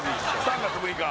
３月６日